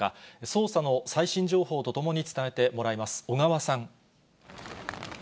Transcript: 捜査の最新情報とともに伝えてもらいます。